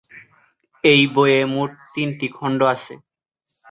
এই বইয়ে মোট তিনটি খণ্ড আছে।